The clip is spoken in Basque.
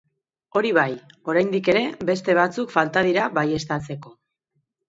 Hori bai, oraindik ere beste batzuk falta dira baieztatzeko.